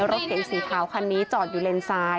รถเก๋งสีขาวคันนี้จอดอยู่เลนซ้าย